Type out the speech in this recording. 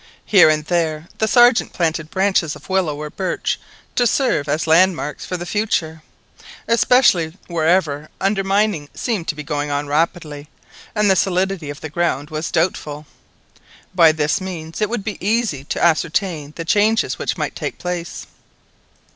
Here and there the Sergeant planted branches of willow or birch to serve as landmarks for the future, especially wherever undermining seemed to be going on rapidly and the solidity of the ground was doubtful. By this means it would be easy to ascertain the changes which might take place.